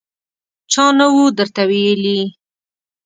_چا نه و درته ويلي!